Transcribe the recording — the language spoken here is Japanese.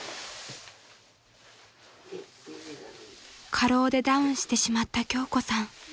［過労でダウンしてしまった京子さん］